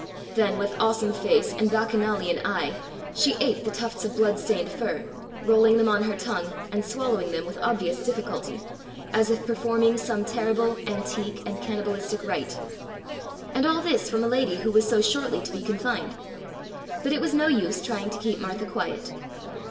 Then with awesome face and Bacchanalian eye she ate the tufts of bloodstained fur, rolling them on her tongue and swallowing them with obvious difficulty, as if performing some terrible, antique and cannibalistic rite. And all this from a lady who was so shortly to be confined. But it was no use trying to keep Martha quiet.